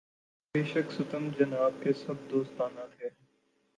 بے شک ستم جناب کے سب دوستانہ تھے